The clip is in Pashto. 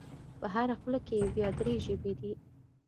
په هره خوله کې یې بیا درې ژبې دي.